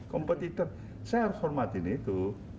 kompetitor saya harus hormatin itu